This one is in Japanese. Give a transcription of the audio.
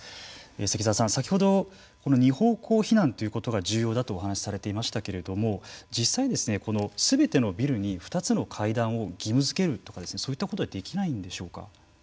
関澤さん、先ほど２方向避難ということが重要だとお話しされていましたけれども実際、すべてのビルに２つの階段を義務づけるとかそういったことはできないんでしょうか。